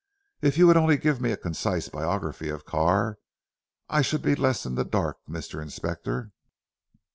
"If you would only give me a concise biography of Carr, I should be less in the dark Mr. Inspector."